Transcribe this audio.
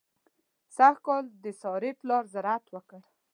سږ کال د سارې پلار زراعت وکړ.